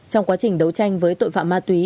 trong quá trình đấu tranh với tội phạm ma túy